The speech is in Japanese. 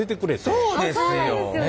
そうですよ。